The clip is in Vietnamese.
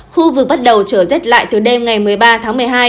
khu vực bắt đầu trở rét lại từ đêm ngày một mươi ba tháng một mươi hai